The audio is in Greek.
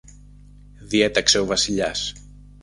διέταξε ο Βασιλιάς